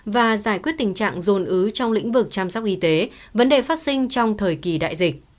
và giải quyết tình trạng dồn ứ trong lĩnh vực chăm sóc y tế vấn đề phát sinh trong thời kỳ đại dịch